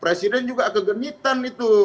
presiden juga kegenitan itu